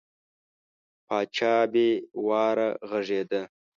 پاچا بې واره غږېده.